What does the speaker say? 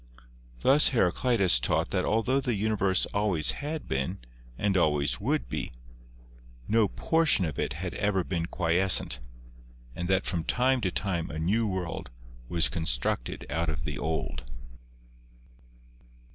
Thus Heraclitus taught that altho the universe always had been and always would be, no portion THE ANCIENT COSMOGONIES 7 of it had ever been quiescent, and that from time to time a new world was constructed out of the old.